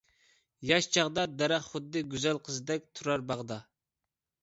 ياش چاغدا دەرەخ خۇددى گۈزەل قىزدەك تۇرار باغدا.